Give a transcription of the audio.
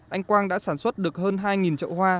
anh quang đã sản xuất được hơn hai trậu hoa